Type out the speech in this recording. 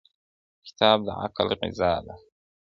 کتاب د عقل غذا ده.